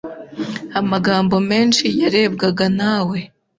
Amagambo menshi yarebwaga nawe